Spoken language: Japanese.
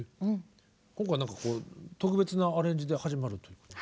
今回何かこう特別なアレンジで始まるということで。